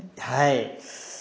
はい。